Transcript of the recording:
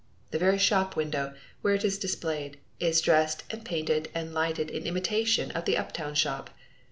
The very shop window, where it is displayed, is dressed and painted and lighted in imitation of the uptown shop.